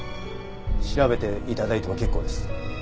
調べて頂いても結構です。